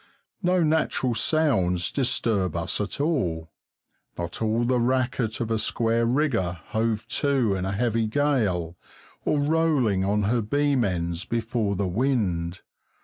No natural sounds disturb us at all, not all the racket of a square rigger hove to in a heavy gale, or rolling on her beam ends before the wind.